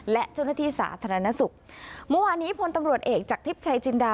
และเจ้าหน้าที่สาธารณสุขเมื่อวานี้พลตำรวจเอกจากทิพย์ชัยจินดา